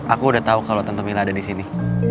aku udah tau kalau tante mila ada di sini